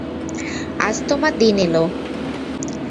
আজ তোমার দিন এল।